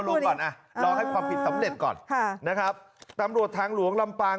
ก่อนอ่ะรอให้ความผิดสำเร็จก่อนค่ะนะครับตำรวจทางหลวงลำปาง